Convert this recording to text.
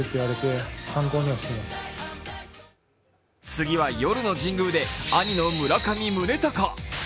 次は夜の神宮で兄の村上宗隆。